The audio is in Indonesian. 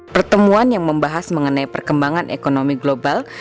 pertemuan yang membahas mengenai perkembangan ekonomi global